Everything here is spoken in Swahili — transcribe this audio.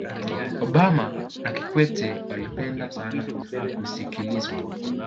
obama na kikwete walipenda sana kusikilizwa